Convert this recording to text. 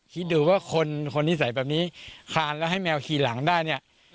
คิดดูว่าคนนิสัยแบบนี้คานแล้วให้แมวขี่หลังได้เนี่ย